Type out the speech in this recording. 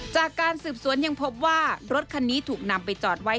จากการสืบสวนยังพบว่ารถคันนี้ถูกนำไปจอดไว้